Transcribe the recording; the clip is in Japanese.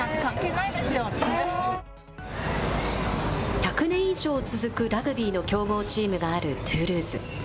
１００年以上続くラグビーの強豪チームがあるトゥールーズ。